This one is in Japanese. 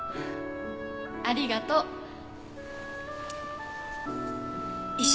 ありがとう。